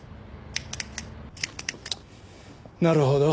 なるほど。